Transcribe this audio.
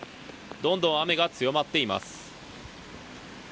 どんどん雨が強まっています。